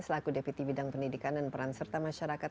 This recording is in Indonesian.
selaku deputi bidang pendidikan dan peran serta masyarakat